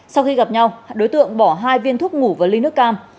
sau khi gặp nhau đối tượng bỏ hai viên thuốc ngủ và ly nước cam